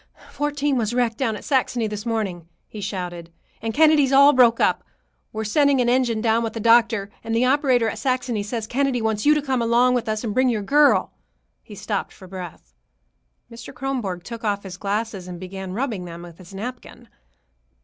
"Fourteen was wrecked down at Saxony this morning," he shouted, "and Kennedy's all broke up. We're sending an engine down with the doctor, and the operator at Saxony says Kennedy wants you to come along with us and bring your girl." He stopped for breath. Mr. Kronborg took off his glasses and began rubbing them with his napkin.